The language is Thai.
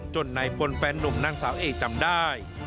จนในบนแฟนลุมนางสาวเอจำได้